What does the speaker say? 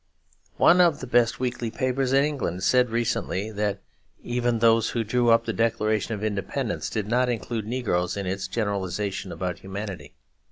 One of the best weekly papers in England said recently that even those who drew up the Declaration of Independence did not include negroes in its generalisation about humanity.